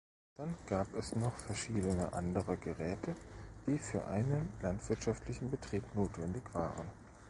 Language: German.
Dann gab es noch verschiedene andere Geräte, die für einen landwirtschaftlichen Betrieb notwendig waren.